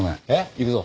行くぞ。